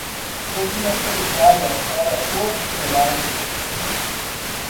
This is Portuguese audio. Cozinha solidária para os vulneráveis